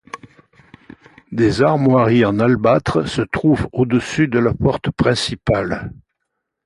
Des armoiries en albâtre se trouvent au-dessus de la porte principale.